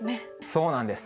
そうなんです。